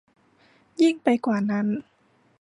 ยิ่งไปกว่านั้น